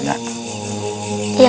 tidak ada yang bisa diberikan